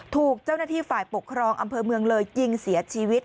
ถูกเจ้าหน้าที่ฝ่ายปกครองอำเภอเมืองเลยยิงเสียชีวิต